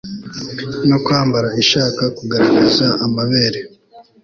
no kwambara ishaka kugaragaza amabere